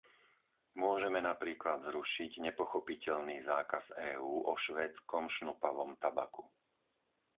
Môžeme napríklad zrušiť nepochopiteľný zákaz EÚ o švédskom šnupavom tabaku.